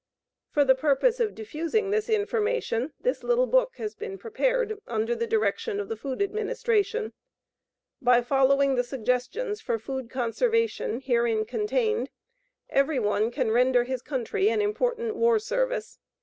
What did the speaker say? For the purpose of diffusing this information this little book has been prepared under the direction of the Food Administration. By following the suggestions for food conservation herein contained every one can render his country an important war service.